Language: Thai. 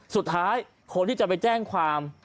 สุดท้ายคนที่จะไปแจ้งความ